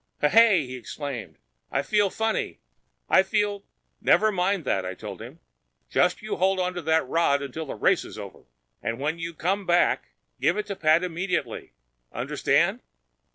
"H hey!" he exclaimed. "I feel funny. I feel—" "Never mind that," I told him. "Just you hold on to that rod until the race is over. And when you come back, give it to Pat immediately. Understand?"